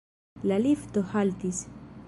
La lifto haltis.